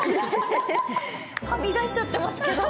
はみ出しちゃってますけど。